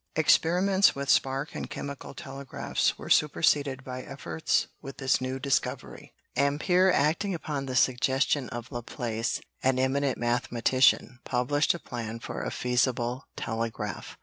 Experiments with spark and chemical telegraphs were superseded by efforts with this new discovery. Ampère, acting upon the suggestion of La Place, an eminent mathematician, published a plan for a feasible telegraph.